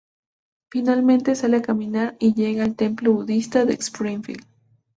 Finalmente, sale a caminar, y llega al Templo budista de Springfield.